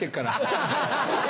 ハハハえ！